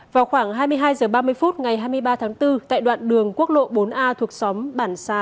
vào khoảng hai mươi hai h ba mươi phút ngày hai mươi ba tháng bốn tại đoạn đường quốc lộ bốn a thuộc xóm bản xá